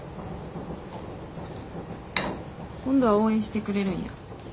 今度は応援してくれるんや。